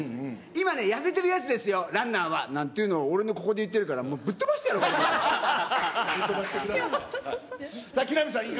今ね、痩せてるやつですよ、ランナーはなんていうのを俺のここで言ってるから、もうぶっ飛ばぶっ飛ばしてください。